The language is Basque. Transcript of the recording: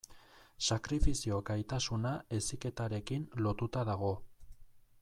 Sakrifizio gaitasuna heziketarekin lotuta dago.